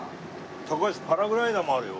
高橋パラグライダーもあるよ。